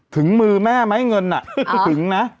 ถึงมือแม่ไหมเงินถึงนะ